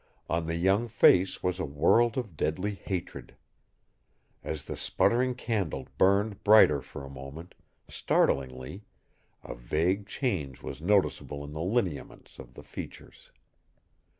On the young face was a world of deadly hatred. As the sputtering candle burned brighter for a moment, startlingly, a vague change was noticeable in the lineaments of the features.